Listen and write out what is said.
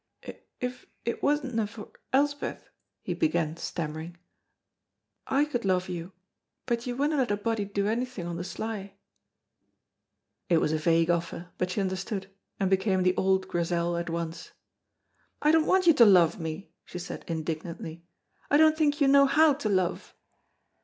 "If it wasna for Elspeth," he began, stammering, "I could love you, but you winna let a body do onything on the sly." It was a vague offer, but she understood, and became the old Grizel at once. "I don't want you to love me," she said indignantly; "I don't think you know how to love."